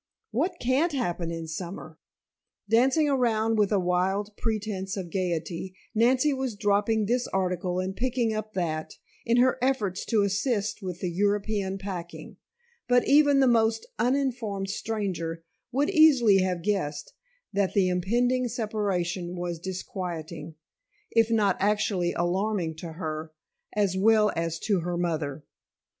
What can't happen in summer?" Dancing around with a wild pretense of gaiety, Nancy was dropping this article and picking up that, in her efforts to assist with the European packing; but even the most uninformed stranger would easily have guessed that the impending separation was disquieting, if not actually alarming to her, as well as to her mother.